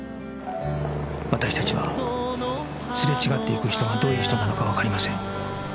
私たちはすれ違っていく人がどういう人なのかわかりません